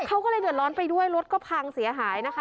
เขาก็เลยเดือดร้อนไปด้วยรถก็พังเสียหายนะคะ